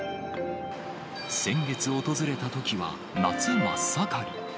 先月訪れたときは夏真っ盛り。